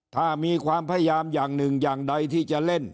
ถ้ามีความพยายามอย่างหนึ่งอย่างใดที่จะเล่น